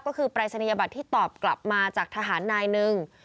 ก็คือปรายศนียบัตรที่ตอบกลับมาจากทหารนายหนึ่ง